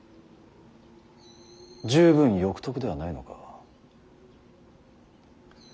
十分欲得ではないのか。